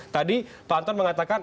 tadi pak anton mengatakan